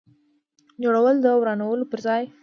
جوړول د ورانولو پر ځای.